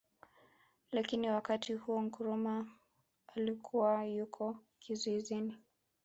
Lakini wakati huo Nkrumah alikuwa yuko kizuizini